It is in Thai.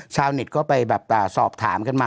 ชาวนิดก็ไปสอบถามกันมา